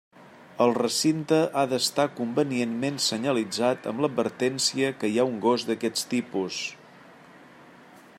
El recinte ha d'estar convenientment senyalitzat amb l'advertència que hi ha un gos d'aquests tipus.